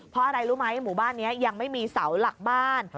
เพราะอะไรรู้ไหมหมู่บ้านนี้ยังไม่มีเสาหลักบ้าน